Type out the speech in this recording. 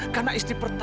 karena istri pertama